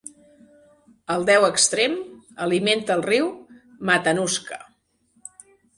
El deu extrem alimenta el riu Matanuska.